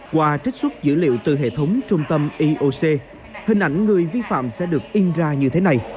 qua trích xuất dữ liệu từ hệ thống trung tâm eoc hình ảnh người vi phạm sẽ được in ra như thế này